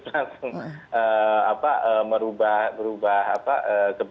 sayageca hai sinyalya menjaga dengan toko masyarakat sama padaku